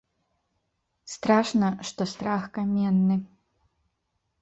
Страшна, што страх каменны.